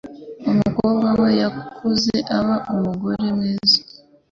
Umukobwa we yakuze aba umugore mwiza.